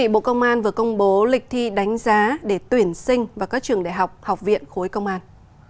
bộ công an vừa công bố lịch thi đánh giá để tuyển sinh vào các trường đại học học viện khối công an